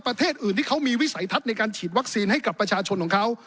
ประเทศอื่นที่เขามีวิสัยทัศน์ในการฉีดวัคซีนให้กับประชาชนของเขา